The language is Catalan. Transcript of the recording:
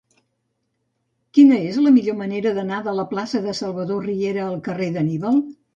Quina és la millor manera d'anar de la plaça de Salvador Riera al carrer d'Anníbal?